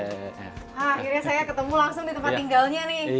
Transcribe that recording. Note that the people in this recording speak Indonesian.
akhirnya saya ketemu langsung di tempat tinggalnya nih